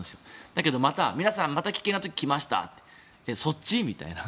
だけどまた皆さんまた危険な時が来ましたそっち？みたいな。